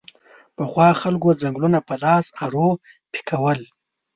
پخوا خلکو ځنګلونه په لاسي ارو پیکول